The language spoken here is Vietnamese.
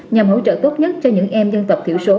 nhằm hỗ trợ tốt nhất cho những em dân tộc thiểu số